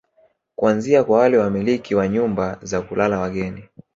Kuanzia kwa wale wamiliki wa nyumba za kulala wageni